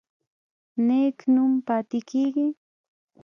نیک نوم پاتې کیږي